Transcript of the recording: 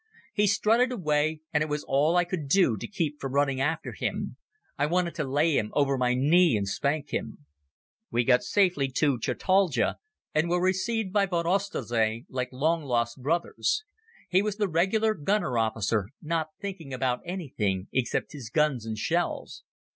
He strutted away and it was all I could do to keep from running after him. I wanted to lay him over my knee and spank him. We got safely to Chataldja, and were received by von Oesterzee like long lost brothers. He was the regular gunner officer, not thinking about anything except his guns and shells.